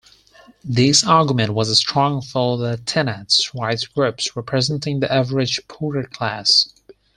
This argument was strong for the tenants rights groups representing the average poorer class.